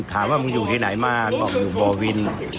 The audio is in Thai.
ถามว่ามึงอยู่ที่ไหนมาหลอกอยู่บ่อวิน